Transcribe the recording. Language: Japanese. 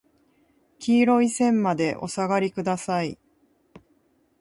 黄色い線までお下りください。